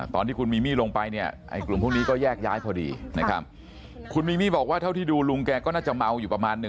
ตอนที่คุณมีมี่ลงไปเนี่ย